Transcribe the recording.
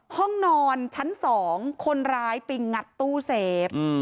ห้องนอนชั้น๒คนร้ายไปงัดตู้เซฟ